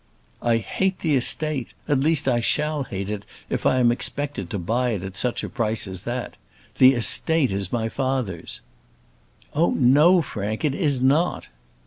"I hate the estate at least I shall hate it if I am expected to buy it at such a price as that. The estate is my father's." "Oh, no, Frank; it is not."